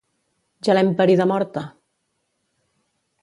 Ja l'hem parida morta!